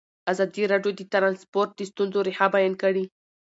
ازادي راډیو د ترانسپورټ د ستونزو رېښه بیان کړې.